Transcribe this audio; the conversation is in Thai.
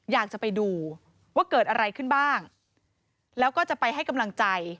อยากจะไปดูว่าเกิดอะไรขึ้นบ้างแล้วก็จะไปให้กำลังใจ